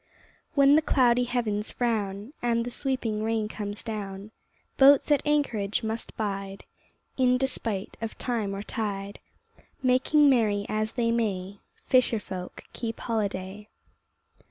When the cloudy heavens frown, And the sweeping rain comes down, Boats at anchorage must bide In despite of time or tide; Making merry as they may Fisher folk keep holiday.